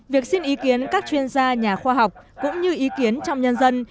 việc xin ý kiến các chuyên gia nhà khoa học cũng như ý kiến trong nhân dân